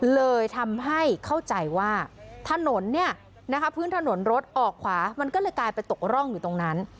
เลยทำให้เข้าใจว่าถนนเนี่ยนะคะพื้นถนนรถออกขวามันก็เลยกลายไปตกร่องอยู่ตรงนั้น